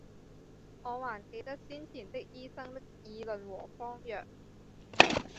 我還記得先前的醫生的議論和方藥，